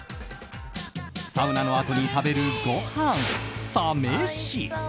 サウナのあとに食べるごはんサ飯。